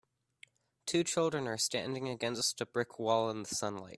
Two children are standing against a brick wall in the sunlight.